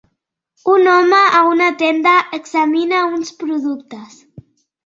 Un home a una tenda examina uns productes.